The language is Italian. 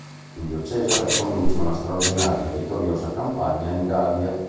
Giulio Cesare conduce una straordinaria e vittoriosa campagna in Gallia.